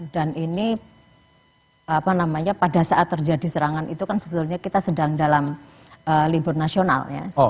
dan ini pada saat terjadi serangan itu kan sebetulnya kita sedang dalam libur nasional